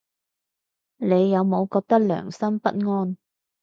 你有冇覺得良心不安